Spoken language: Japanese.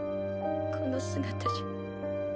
この姿じゃ。